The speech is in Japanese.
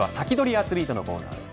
アツリートのコーナーです。